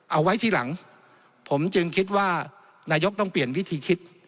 เอาไว้ทีหลังผมจึงคิดว่านายกต้องเปลี่ยนวิธีคิด